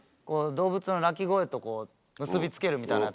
動物の鳴き声と結び付けるみたいな。